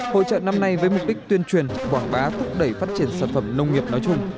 hội trợ năm nay với mục đích tuyên truyền quảng bá thúc đẩy phát triển sản phẩm nông nghiệp nói chung